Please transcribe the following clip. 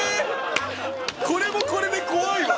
これもこれで怖いわ！